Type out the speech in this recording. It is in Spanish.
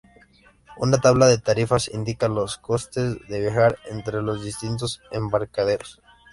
Una tabla de tarifas indica los costes de viajar entre los distintos embarcaderos.